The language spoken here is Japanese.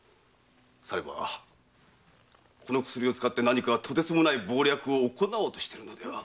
さればその薬を使って何かとてつもない謀略を行おうとしているのでは。